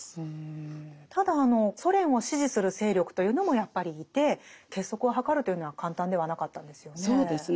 ただソ連を支持する勢力というのもやっぱりいて結束を図るというのは簡単ではなかったんですよね。